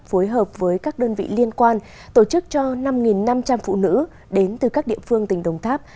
phối hợp với các đơn vị liên quan tổ chức cho năm năm trăm linh phụ nữ đến từ các địa phương tỉnh đồng tháp